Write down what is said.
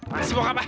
kasih bokap ah